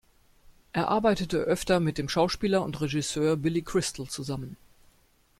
Er arbeitete öfter mit dem Schauspieler und Regisseur Billy Crystal zusammen.